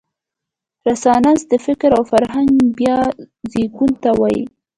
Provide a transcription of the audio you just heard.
رنسانس د فکر او فرهنګ بیا زېږون ته وايي.